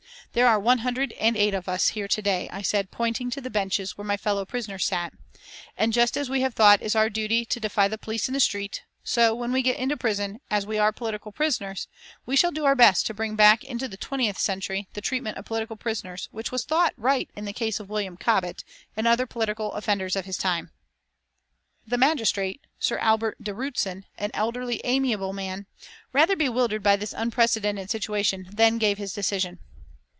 "There are one hundred and eight of us here to day," I said, pointing to the benches where my fellow prisoners sat, "and just as we have thought it is our duty to defy the police in the street, so when we get into prison, as we are political prisoners, we shall do our best to bring back into the twentieth century the treatment of political prisoners which was thought right in the case of William Cobbett, and other political offenders of his time." The magistrate, Sir Albert de Rutzen, an elderly, amiable man, rather bewildered by this unprecedented situation, then gave his decision.